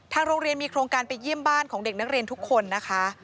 โรงเรียนมีโครงการไปเยี่ยมบ้านของเด็กนักเรียนทุกคนนะคะ